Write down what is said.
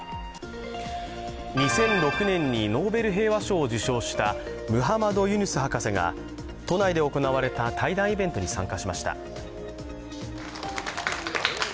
２００６年にノーベル平和賞を受賞したムハマド・ユヌス博士が、都内で行われた対談イベントに参加しました。